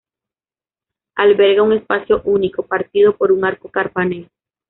Alberga un espacio único, partido por un arco carpanel.